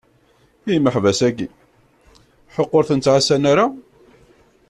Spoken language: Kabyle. I yimaḥbas-aki ḥuq ur ten-ttɛassan ara?